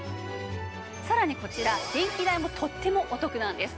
さらにこちら電気代もとってもお得なんです。